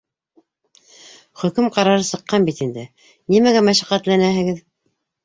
Хөкөм ҡарары сыҡҡан бит инде, нимәгә мәшәҡәтләнәһегеҙ?!